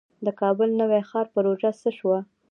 د کابل نوی ښار پروژه څه شوه؟